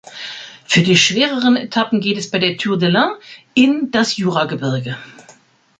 Für die schwereren Etappen geht es bei der Tour de l’Ain in das Juragebirge.